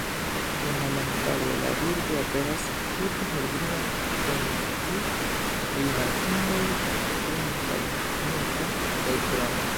De malantaŭe la birdo aperas tute helbruna kun tiu rimarkindaj buntaj nuko kaj krono.